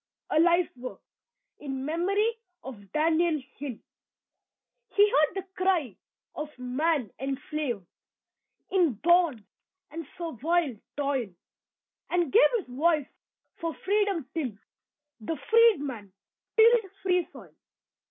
A LIFE WORK IN MEMORY OF DANIEL HILL He heard the cry of man enslaved In bonds and servile toil; And gave his voice for freedom till The "Freedman" tilled "free soil."